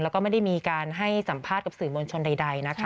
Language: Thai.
แล้วก็ไม่ได้มีการให้สัมภาษณ์กับสื่อมวลชนใดนะคะ